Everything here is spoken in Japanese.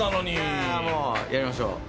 いやあ、もうやりましょう。